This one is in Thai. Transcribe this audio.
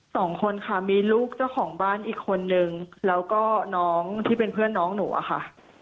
สองคนค่ะมีลูกเจ้าของบ้านอีกคนนึงแล้วก็น้องที่เป็นเพื่อนน้องหนูอะค่ะ